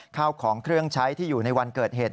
ข้าวของเครื่องใช้ที่อยู่ในวันเกิดเหตุ